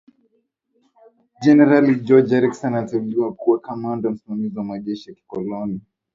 Jenerali George Erskine aliteuliwa kuwa kamanda msimamizi wa majeshi ya kikoloni